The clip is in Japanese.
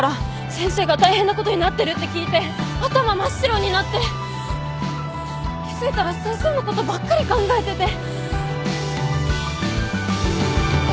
先生が大変なことになってるって聞いて頭真っ白になって気付いたら先生のことばっかり考えてて。